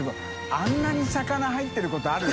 垢瓦あんなに魚入ってることある？